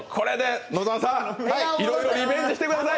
野澤さん、いろいろリベンジしてください。